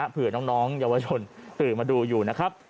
เผื่อน้องเยาวชนตื่นมาดูอยู่นะครับ